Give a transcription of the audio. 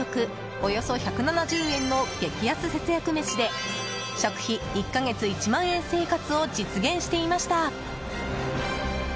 およそ１７０円の激安節約飯で食費１か月１万円生活を実現していました。